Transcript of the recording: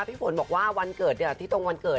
พี่ฝนบอกว่าวันเกิดที่ตรงวันเกิด